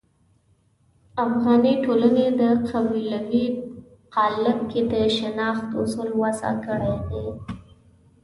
افغاني ټولنې په قبیلوي قالب کې د شناخت اصول وضع کړي دي.